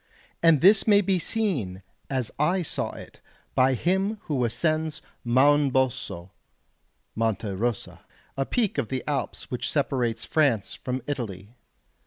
And this may be seen, as I saw it, by him who ascends Mounboso (Monte Rosa), a peak of the Alps which separates France from Italy.